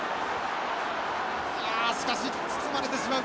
しかし包まれてしまう。